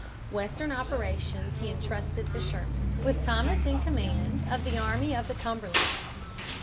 Western operations he intrusted to Sherman, with Thomas in command of the Army of the Cumberland.